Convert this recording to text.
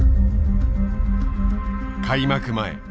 開幕前